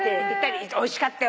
おいしかったよ。